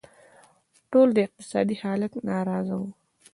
ټول له اقتصادي حالت ناراضه وو.